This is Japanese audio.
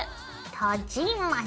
閉じます。